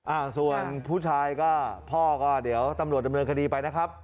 อ่าส่วนผู้ชายก็พ่อก็เดี๋ยวตำรวจดำเนินคดีไปนะครับ